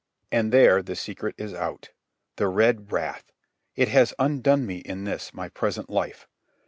And there the secret is out. The red wrath! It has undone me in this, my present life.